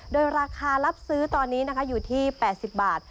โดยราคารับซื้อตอนนี้นะคะอยู่ที่๘๐บาท